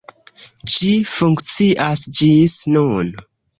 Ĝi funkcias ĝis nun.